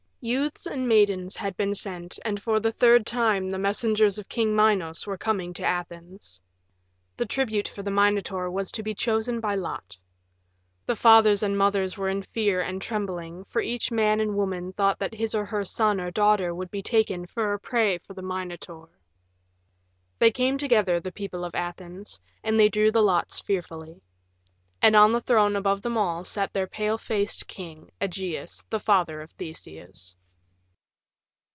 Youths and maidens had been sent, and for the third time the messengers of King Minos were coming to Athens. The tribute for the Minotaur was to be chosen by lot. The fathers and mothers were in fear and trembling, for each man and woman thought that his or her son or daughter would be taken for a prey for the Minotaur. They came together, the people of Athens, and they drew the lots fearfully. And on the throne above them all sat their pale faced king, Ægeus, the father of Theseus.